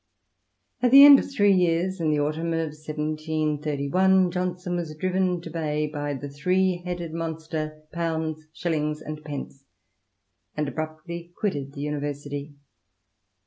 At the end of three years — ^in the autumn of 1731 — ^Johnson was driven to bay by the three headed monster, pounds, shillings, and pence, and abrupdy quitted the University.